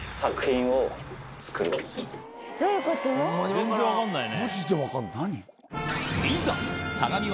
全然分かんないね。